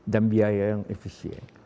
dan biaya yang efisien